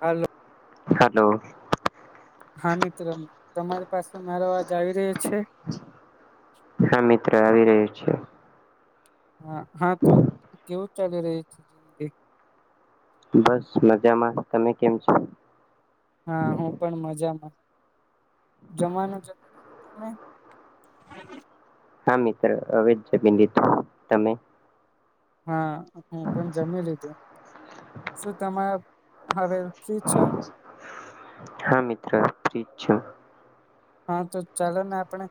હાલો hello. હા મિત્ર તમારી પાસે મારો અવાજ આવી રહ્યો છ હા મિત્ર આવી રહ્યો છે. હા હા તો કેવું ચાલી રયુ છે [unintelligible] બસ મજામાં, તમે કેમ છો? હા હું પણ મજામાં. જમવાનું જમ તમે? હા મિત્ર હવે જમી લીધું, તમે? હા હું પણ જમી લીધું શું તમારે હવે ફ્રી છો હા મિત્ર ફ્રીજ છે. હા તો ચાલોને આપણે.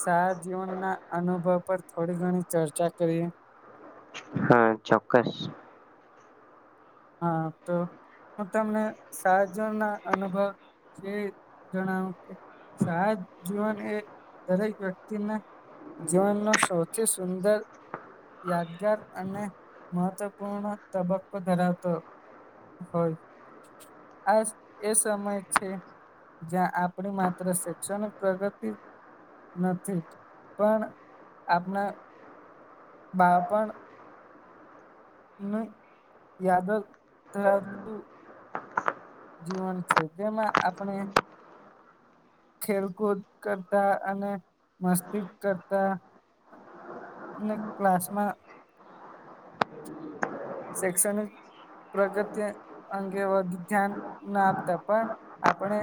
સારા જીવનના અનુભવ પર થોડી ઘણી ચર્ચા કરીએ હા ચોક્કસ હા તો હું તમને સાજો ના અનુભવ જે જણાવો કે સહાજ જીવન એ દરેક વ્યક્તિના. જીવન નો સૌથી સુંદર યાદગાર અને મહત્વપૂર્ણ તબક્કો ધરાવ તો હોય આ, એ સમય છે. જ્યાં આપણી માત્ર શૈક્ષણિક પ્રગતિ નથી પણ આપણા બાળપણ મે યાદ થ તુ જીવન છે તેમાં આપણે ખેલકૂદ કરતા અને મસ્તિષ્ક કરતા. અને ક્લાસમાં. સેક્સોનિક. પ્રગતિ અંગે વધુ ધ્યાન ના આપતા પણ આપણે.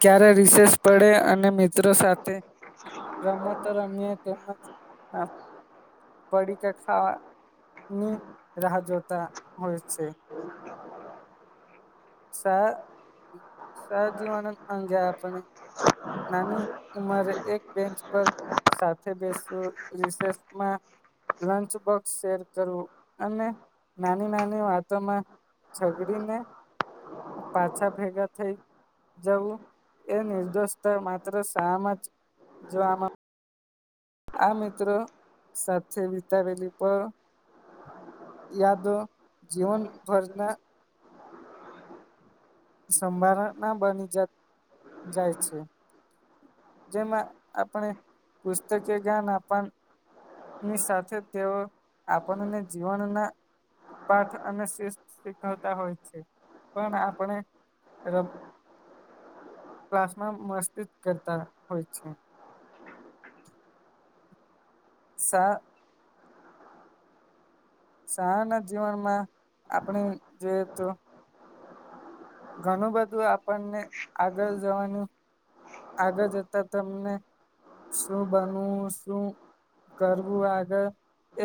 ક્યારે રિસેસ પડે અને મિત્રો સાથે. ર રમત રમીએ તેમજ આ પડીકા ખાવા ની રાહ જોતા હોય છે. શ સહજીવાનંદ અંગે આપણે નાની ઉમરે એક બેન્ચ પર. સાથે બેસવુ રીસેસમાં લંચ બોક્સ શેર કરવું, અને નાની નાની વાતોમાં ઝગડીને પાછા ભેગા થઈ. જવું એ નિર્દોષતા માત્ર શમ જ જોવામાં. આ મિત્રો સાથે વિતાવેલી પણ. યા તો જીવનભરના. સંભારણા બની જત જાય છે. જેમાં આપણે પુસ્તકે ગાન આપણ ની સાથે તેઓ આપણને જીવનના. પાઠ અને શિસ્ત શીખવતા હોય છે, પણ આપણે રમ ક્લાસમા મસ્તીજ કરતા હોય છે. સા. શહાના જીવનમાં આપણે જે તો ઘણું બધું આપણને આગળ જવાનું. આગળ જતા તમને. શું બનવું શું કરવું આગળ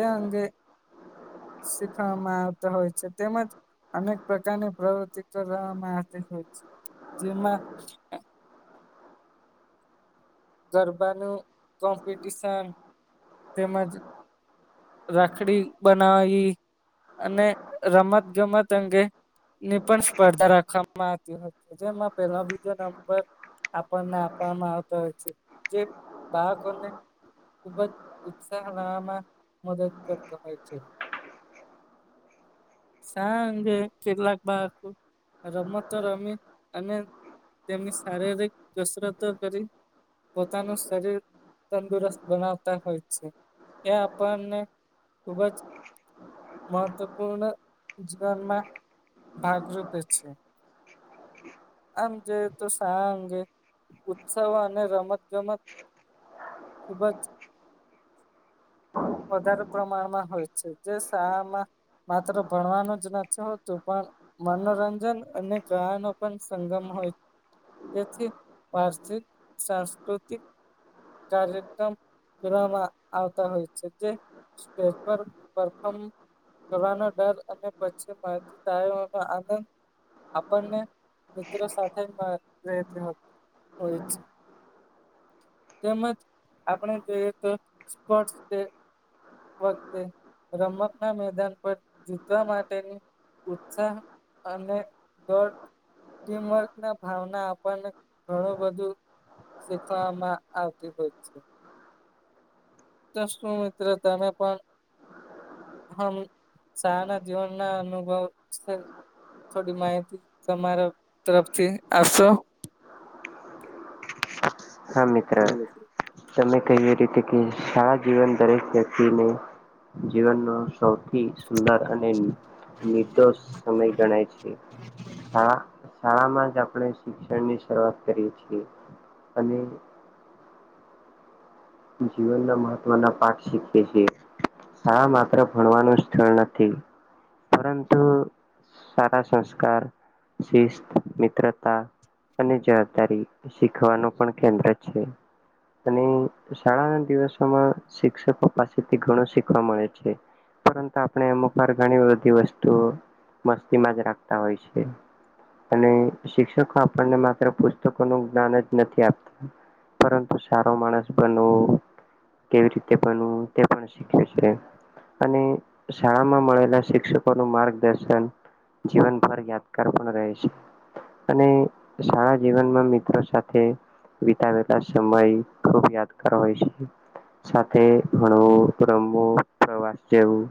એ અંગે. શીખવામાં આવતા હોય છે તેમજ અનેક પ્રકારની પ્રવૃતિ. કરવામાં હાથે હોય છે જેમાં. ગરબાનું કોમ્પિટિશન તેમજ. રાખડી બનાવી અને રમત ગમત ગમતે અંગે. ની પણ સ્પર્ધા રાખવામાં આવતી હો જેમાં પેલો બીજો નંબર. આપણને આપવામાં આવતા હોય છે જે બાળકોને. ખુબ જ ઉત્સાહ લવામાં મદદ કરતો હોય છે. સાા અંગે કેટલાક બાકો રમત રમી અને તેમની શારીરિક કસરતો કરી પોતાનું શરીર તંદુરસ્ત બનાવતા હોય છે એ આપણને ખુબ જ. મહત્વપૂર્ણ જીવનમાં. ભાગરૂૂપે છે. આમ જોએ તો શા અંગે ઉત્સવ અને. રમત ગમત ખૂબ જ. વધારે પ્રમાણમાં હોય છે જે શા માં. માત્ર ભણવાનું જ નથી હોતું પણ મનોરંજન અને ગહનો પણ સંગમ. હોય તેથી વાર્થિક સાંસ્કૃતિક કાર્યક્રમ કરવામાં આવતા હોય છે જે [unintelligible] પર પરફમ. કરવાવાનો ડર અને પછી મા થાયનો આનંદ. આપણને મિત્રો સાથે રહેતી હોય છે. તેમજ આપણે જોઈએ તો સ્પોટ તે. વખતે રમત ના મેદાન પર જીતવા માટેની. ઉત્સાહ અને [unintelligible] ટીમવર્ક ના ભાવના આપણને ઘણું બધું. શીખવામાં આવતી હોય છે. તસું મિત્ર તમે પણ. હમ સારા જીવન ના અનુભવ. થોડી માહિતી તમારા તરફથી આપશો. હા મિત્ર તમે કહ્યું રીતે કે સારા જીવન દરેક વ્યક્તિને જીવનનો સૌ થી સુંદર અને નિર્દોષ સમય ગણાય છે સા શાળામાં જ આપણે શિક્ષણ ની શરૂઆત કરીએ છીએ અને જીવનના મહત્વના પાઠ શીખે છેીએ શાળા માત્ર ભણવાનું સ્થળ નથી પરંતુ સારા સંસ્કાર શિસ્ત મિત્રતા અને જવાબદારી શીખવાનું પણ કેન્દ્ર છે અને શાળાના દિવસોમાં શિક્ષકો પાસેથી ઘણો શીખવા મળે છે પરંતુ આપણે અમુકર ઘણી બધી વસ્તુ મસ્તીમાં જ રાખતા હોય છે અને શિક્ષકો આપણને માત્ર પુસ્તકોનું જ્ઞાન જ નથી આપતા પરંતુ સારો માણસ બનવું કેવી રીતે બનવું તે પણ શીખ્યું છે અને શાળામાં મળેલા શિક્ષકોનું માર્ગદર્શન જીવનભર યાદગાર પણ રહે છે અને શળા જીવનમાં મિત્રો સાથે વિતાવેલા સમય ખૂબ યાદગાર હોય છે સાથે ભણવું રમવું પ્રવાસ જેવું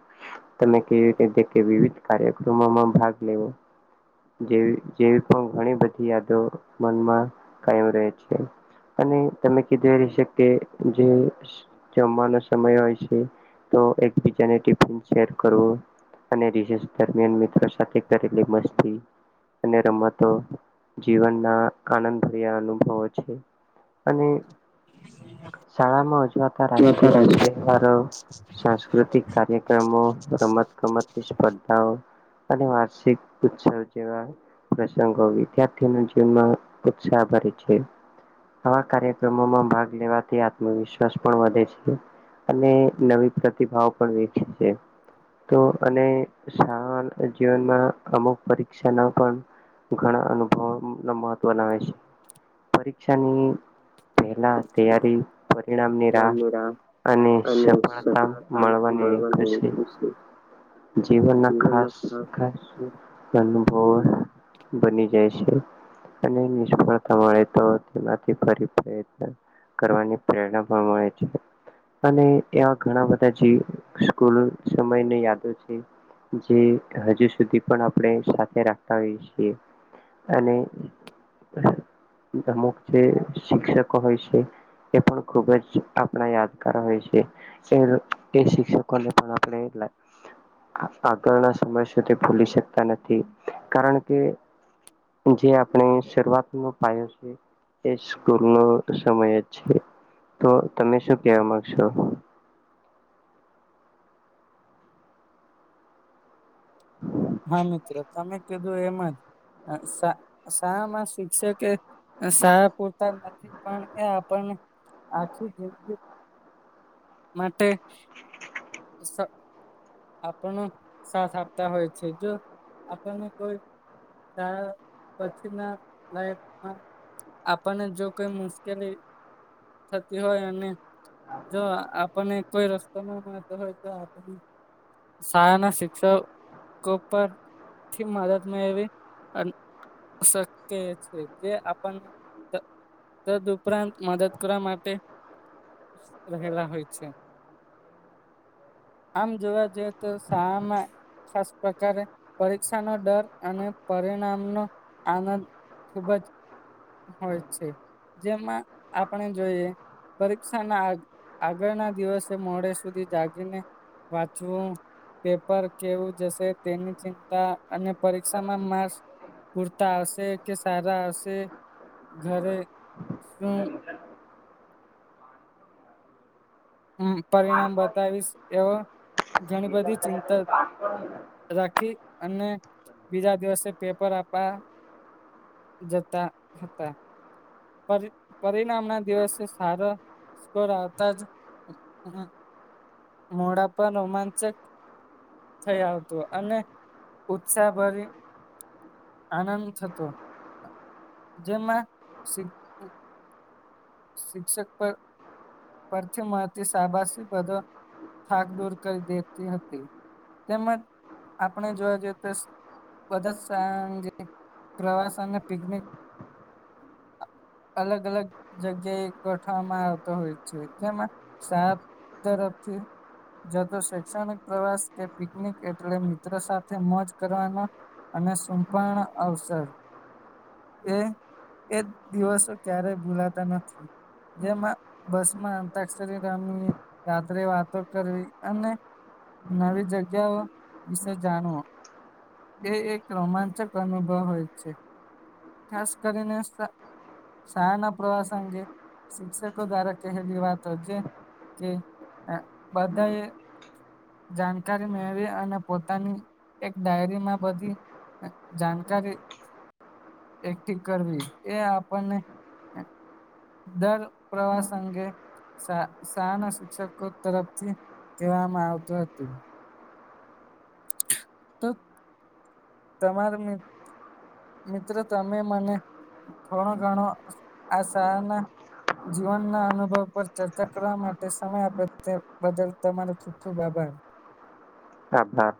તમે કેવી રીતે ને કેવી વિવિધ કાર્યક્રમોમાં ભાગ લેવો જેવી જેવી પણ ઘણી બધી યાદો મનમાં કાયમ રહે છે અને તમે કીધું એ [unintelligible] જે જમવાના સમય હોય છે તો એકબીજાને ટિફિન શેર કરવું અને રીશેષ દરમિયાન મિત્રો સાથે કરેલી મસ્તી અને રમતો જીવનના આનંદભર્યા અનુભવો છે [inaudible] શાળામાં ઉજુઆતા રાષ્ટ્રીય તહેવારો સાંસ્કૃતિક કાર્યક્રમો રમત ગમતની સ્પર્ધાઓ અને વાર્ષિક ઉત્સવ જેવા પ્રસંગો વિદ્યાર્થીઓના જીવનમાં ઉત્સાહ ભરે છે આવા કાર્યક્રમોમાં ભાગ લેવાથી આત્મવિશ્વાસ પણ વધે છે અને નવી પ્રતિભાઓ પણ વેચ છે તો અને શાળા જીવનમાં અમુક પરીક્ષા ના પણ ઘણા અનુભવો મહત્વના હોયે છે પરીક્ષાની પહેલા તૈયારી પરિણામની રાહ અને સફળતા મળવાની ખુશી જીવન ના ખાસા ખાસ અનુભવ બની જાય છે અને નિષ્ફળ થવાની તો [unintelligible] કરવાની પ્રેરણા પણ મળે છે અને એવા ઘણા બધા જે સ્કૂલ સમયની યાદો છે જે હજુ સુધી પણ આપણે સાથે રાખતા હોય છીએ અને અમુક જે શિક્ષકો હોય છે એ પણ ખુબ જ આપણા યાદગાર હોય છે એ એ શિક્ષકોને પણ આપણે આગળના સમય સુધી ભૂલી શકતા નથી કારણ કે જે આપણે શરૂઆત નો પાયો છે એ સ્કૂલ નો સમય અ જ છે તો તમે શું કહેવા માંગશો હા મિત્ર તમે કીધું એમ જ શા શાળા માં શિક્ષકે સહા પૂરતા નથી પણ એ આપણને આખી જંદગી માટે આપણો સાથ આપતા હોય છે જો આપણને કોઈ તાર પછી ના લાઈફમાં આપણને જો કોઈ મુશ્કેલી થતી હોય અને જો આપણને કોઈ રસ્તા ના માનતો હોય તો આપ શાળાના શિક્ષ કો પર થી મદદ મેળવી અને શક્ય છે જે આપણને તદઉપરાંત મદદ કરવા માટે રહેલા હોય છે આમ જોવા જય તો શાળા મા ખાસ પ્રકારે પરીક્ષાનો ડર અને પરિણામનો આનંદ ખૂબ જ હોય છે જેમાં આપણે જોઈએ પરીક્ષાના આગળના દિવસે મોડે સુધી જાગીને વા- વાંચવું પેપર કેવું જશે તેની ચિંતા અને પરીક્ષામાં મા માર્ક્સ પૂરતા આવસે કે સારા આવસે ઘરે શું [inaudible] પરિણામ બતાવીશ એવો ઘણી બધી ચિતા રાખી અને બીજા દિવસે પેપર આપવા જતા હતા પર પરિણામ ના દિવસે સારા [unintelligible] આવતા જ મોડા પણ રોમાંચક થઈ આવતું અને ઉત્સાહભરી આનંદ થતો જેમાં શિક્ષક પર પરથી મળતી શબાાશી પદો થાક દોડ કરી દેતી હતી તેમજ આપણે જોવા જઈએ તો બધા સાંગ પ્રવાસ અને પિકનિક અલગ અલગ જગ્યાએ ગોઠવામાં આવતો હોય છે જેમાં સાત તરફથી જતો શૈક્ષણિક પ્રવાસ કે પિકનિક એટલે મિત્ર સાથે મોજ કરવાનો અને સંપર્ણ અવસર એ એ દિવસો ક્યારેય ભૂલાતા નથી જેમાં બસ માં અંતાક્ષરી રમીની રાત્રે વાતો કરવી અને નવી જગ્યાઓ વિશે જાણો એ એક રોમાંચક અનુભવ હોય છે ખાસ કરીને શાળા ના પ્રવાસ અંગે શિક્ષકો દ્વારા કહેલી વાતો જે કે બધા એ જાણકારી મેળવી અને પોતાની એક ડાયરીમાં બધી જાાનકારી એકઠી કરવી એ આપણને દર પ્રવાસ અંગે શા શાળાના શિક્ષકો તરફથી કવામાં આવતું હતું તો તમારે મી મિત્રો તમે મને થોડો ઘણો આ સહના જીવન ના અનુભવ પર ચર્ચા કરવા માટે સમય આપે તે બદલ તમારો ખુબ ખુબ આભાર ભાર આભાર